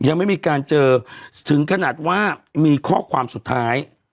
ยังไม่มีการเจอถึงขนาดว่ามีข้อความสุดท้าย